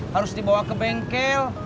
harus dibawa ke bengkel